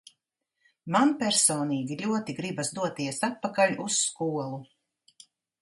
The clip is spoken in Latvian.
Man personīgi ļoti gribas doties atpakaļ uz skolu.